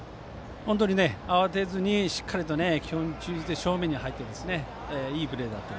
本当に慌てずにしっかりと基本に忠実に正面に入って、いいプレーでした。